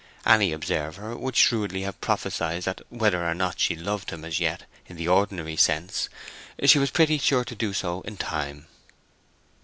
Any observer would shrewdly have prophesied that whether or not she loved him as yet in the ordinary sense, she was pretty sure to do so in time.